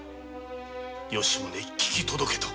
吉宗聞き届けた。